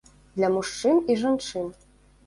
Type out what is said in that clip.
Для мужчын і жанчын.